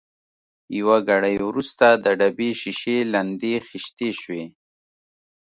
یو ګړی وروسته د ډبې شېشې لندې خېشتې شوې.